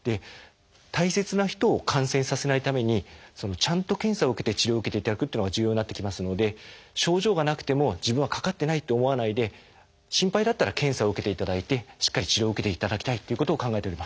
大切な人を感染させないためにちゃんと検査を受けて治療を受けていただくというのが重要になってきますので症状がなくても自分はかかってないと思わないで心配だったら検査を受けていただいてしっかり治療を受けていただきたいということを考えております。